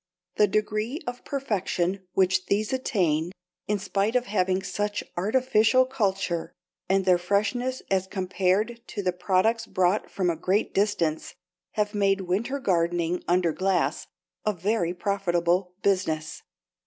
The degree of perfection which these attain in spite of having such artificial culture, and their freshness as compared to the products brought from a great distance, have made winter gardening under glass a very profitable business.